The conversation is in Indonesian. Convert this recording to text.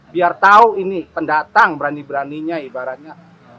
biar tahu ini pendatang berani beraninya ibaratnya